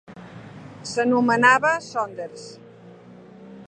S'anomenava "Saunders".